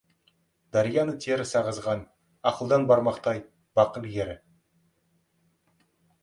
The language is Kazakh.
Дарияны теріс ағызған ақылдан бармақтай бақ ілгері.